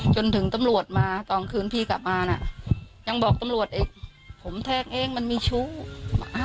จนเสียชีวิตโดยไม่พูดไม่จา